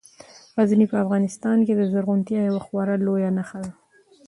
غزني په افغانستان کې د زرغونتیا یوه خورا لویه نښه ده.